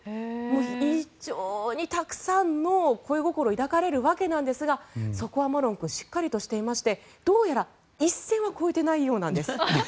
非常にたくさんの恋心を抱かれるわけなんですがそこはマロン君しっかりとしていましてどうやら一線は越えていないようなんです。